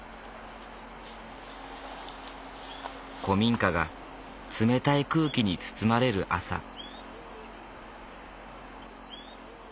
古民家が冷たい空気に包まれる朝。